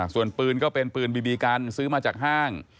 ส่วนปืนก็เป็นปืนบีบีกันซื้อมาจากห้าง